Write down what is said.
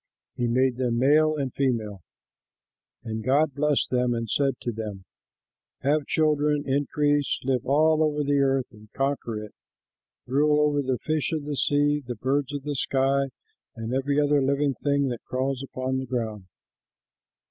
He made them male and female. And God blessed them, and said to them, "Have children, increase, live all over the earth, and conquer it; rule over the fish of the sea, the birds of the sky, and over every living thing that crawls upon the ground."